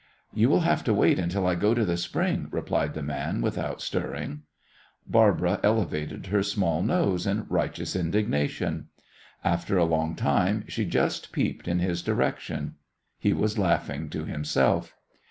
"You will have to wait until I go to the spring," replied the man without stirring. Barbara elevated her small nose in righteous indignation. After a long time she just peeped in his direction. He was laughing to himself.